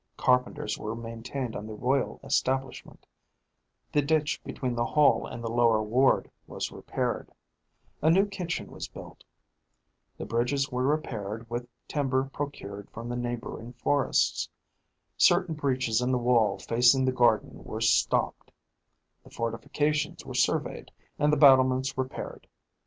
Carpenters were maintained on the royal establishment; the ditch between the hall and the lower ward was repaired; a new kitchen was built; the bridges were repaired with timber procured from the neighbouring forests; certain breaches in the wall facing the garden were stopped; the fortifications were surveyed, and the battlements repaired.